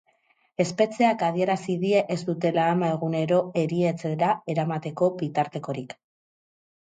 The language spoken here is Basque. Espetxeak adierazi die ez dutela ama egunero erietxera eramateko bitartekorik.